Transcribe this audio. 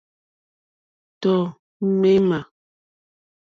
Tɔ̀ ŋměmà.